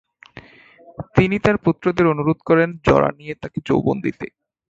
তিনি তার পুত্রদের অনুরোধ করেন জরা নিয়ে তাকে যৌবন দিতে।